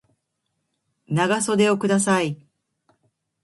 長袖をください